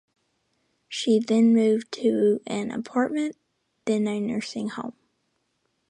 She then moved to an apartment, then a nursing home.